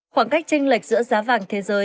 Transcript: khoảng cách tranh lệch giữa giá vàng thế giới